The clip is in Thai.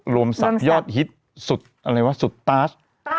โรมาศัพท์ยอดฮิตสุดอะไรวะสุดตาส